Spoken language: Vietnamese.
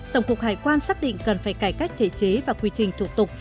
tổng cục hải quan xác định cần phải cải cách thể chế và quy trình thủ tục